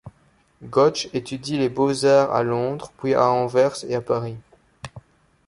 Gotch étudie les beaux-arts à Londres, puis à Anvers et à Paris.